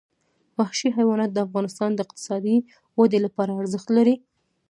وحشي حیوانات د افغانستان د اقتصادي ودې لپاره ارزښت لري.